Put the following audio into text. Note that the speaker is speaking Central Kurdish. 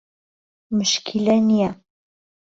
موشکیلە نیە.